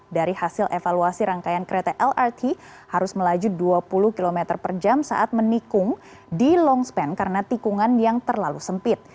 dari hasil evaluasi rangkaian kereta lrt harus melaju dua puluh km per jam saat menikung di longspan karena tikungan yang terlalu sempit